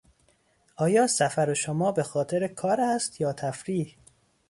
آیا سفر شما به خاطر کار است یا تفریح؟